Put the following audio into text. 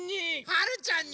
はるちゃんに？